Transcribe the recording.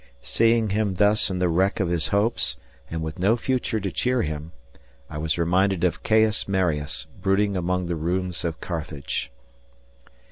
Seeing him thus in the wreck of his hopes and with no future to cheer him, I was reminded of Caius Marius brooding among the ruins of Carthage.